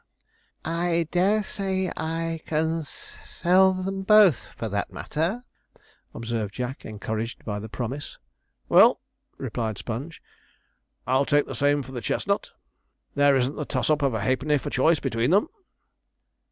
'I dare say I can s s s sell them both, for that matter,' observed Jack, encouraged by the promise. 'Well,' replied Sponge, 'I'll take the same for the chestnut; there isn't the toss up of a halfpenny for choice between them.'